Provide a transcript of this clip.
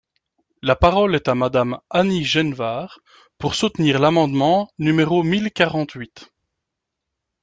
La parole est à Madame Annie Genevard, pour soutenir l’amendement numéro mille quarante-huit.